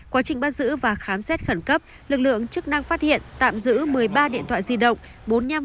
quá trình bắt giữ và khám xét khẩn cấp lực lượng chức năng phát hiện tạm giữ một mươi ba điện thoại di động